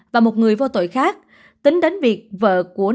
và một người vô tội khác